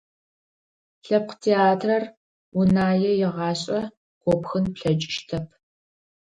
Лъэпкъ театрэр Унае игъашӀэ гопхын плъэкӀыщтэп.